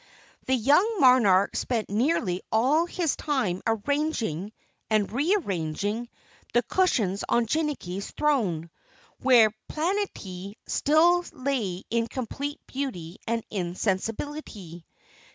The young monarch spent nearly all his time arranging and rearranging the cushions on Jinnicky's throne, where Planetty still lay in complete beauty and insensibility.